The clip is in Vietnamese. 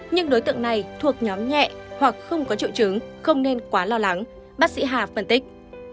nhưng đối tượng này thuộc nhóm nhẹ hoặc không có triệu chứng không nên quá lo lắng bác sĩ hà phân tích